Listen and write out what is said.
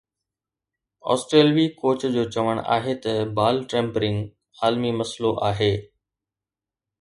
آسٽريلوي ڪوچ جو چوڻ آهي ته بال ٽيمپرنگ عالمي مسئلو آهي